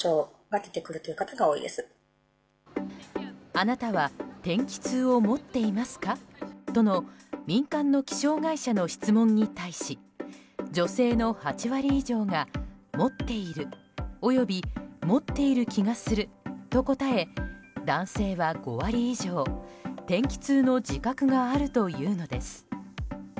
あなたは天気痛を持っていますか？との民間の気象会社の質問に対し女性の８割以上が、持っている及び持っている気がすると答え男性は５割以上、天気痛の自覚があるというのです。